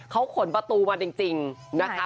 เขาขนประตูมาจริงนะคะ